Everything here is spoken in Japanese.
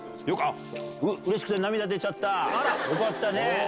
うれしくて涙出ちゃった。よかったね！